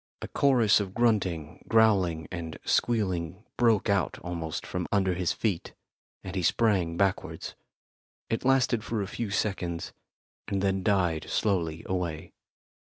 A chorus of grunting, growling and squealing broke out almost from under his feet, and he sprang backwards. It lasted for a few seconds, and then died slowly away.